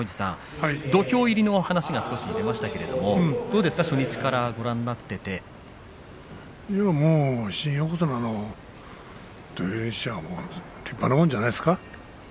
土俵入りの話が少しありましたけれど初日からご覧になって新横綱の土俵入りにしては立派なものじゃないですか。